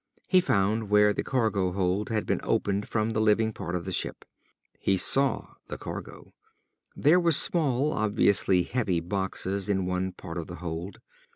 He found where the cargo hold had been opened from the living part of the ship. He saw the cargo. There were small, obviously heavy boxes in one part of the hold.